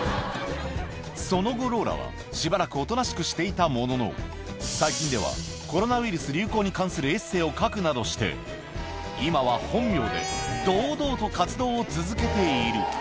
その後、ローラはしばらくおとなしくしていたものの、最近ではコロナウイルス流行に関するエッセーを書くなどして、今は本名で堂々と活動を続けている。